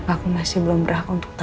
apa aku masih belum beraku untuk tau ya